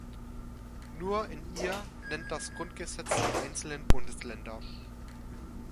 Nur in ihr nennt das Grundgesetz die einzelnen Bundesländer.